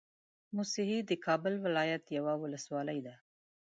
موسهي د کابل ولايت يوه ولسوالۍ ده